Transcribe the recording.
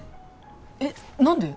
えっ何で？